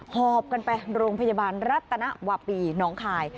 หอบกันไปโรงพยาบาลรัตนวาปีน้องคาย